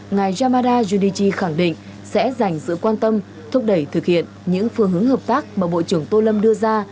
ngài yamada yudichi khẳng định sẽ dành sự quan tâm thúc đẩy thực hiện những phương hướng hợp tác mà bộ trưởng tô lâm đưa ra